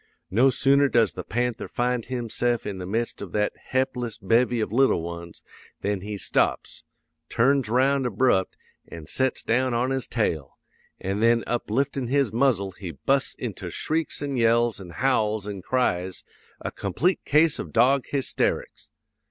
No sooner does the panther find himse'f in the midst of that he'pless bevy of little ones, than he stops, turns round abrupt, an' sets down on his tail; an' then upliftin' his muzzle he busts into shrieks an' yells an' howls an' cries, a complete case of dog hysterics!